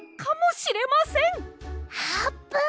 あーぷん！